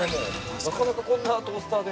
なかなかこんなトースターで。